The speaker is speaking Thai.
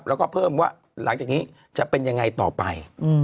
แล้วก็เพิ่มว่าหลังจากนี้จะเป็นยังไงต่อไป